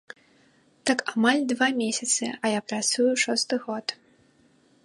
Так амаль два месяцы, а я працую шосты год.